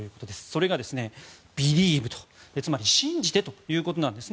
それがビリーブつまり信じてということです。